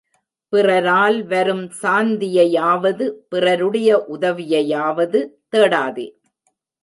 பிறரால் வரும் சாந்தியையாவது, பிறருடைய உதவியையாவது தேடாதே.